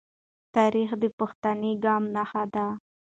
تاریخ د پښتني قام نښان دی.